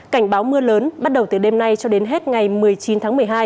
cảnh báo mưa lớn bắt đầu từ đêm nay cho đến hết ngày một mươi chín tháng một mươi hai